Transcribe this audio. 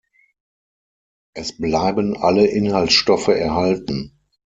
Es bleiben alle Inhaltsstoffe erhalten.